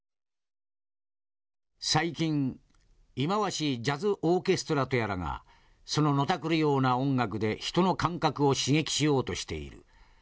「最近忌まわしいジャズ・オーケストラとやらがそののたくるような音楽で人の感覚を刺激しようとしている。